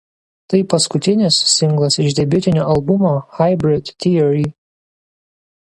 Tai paskutinis singlas iš debiutinio albumo „Hybrid Theory“.